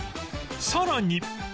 さらに